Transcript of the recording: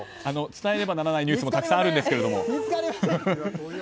伝えねばならないニュースがたくさんあるんですけれども。